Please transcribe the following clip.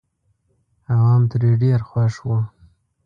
عوام ترې ډېر خوښ وو.